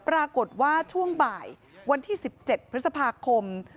ปรากฏว่าช่วงบ่ายวันที่๑๗พฤษภาคม